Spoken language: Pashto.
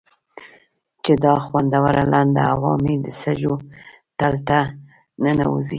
چې دا خوندوره لنده هوا مې د سږو تل ته ننوځي.